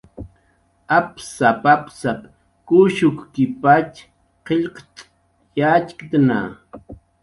"Apsap"" apsap kushukkipatx qillqt' yatxkna"